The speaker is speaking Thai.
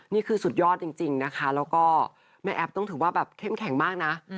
นี่คือสุดยอดจริงนะคะแล้วก็แม่แอฟต้องถือว่าแบบเข้มแข็งมากนะ